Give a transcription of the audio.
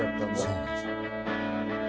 そうなんですよ。